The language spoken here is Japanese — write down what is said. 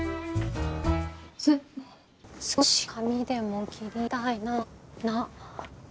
「少し髪でも切りたいな」。